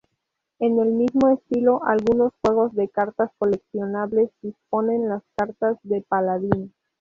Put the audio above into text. En el mismo estilo, algunos juegos de cartas coleccionables disponen de cartas de "Paladín".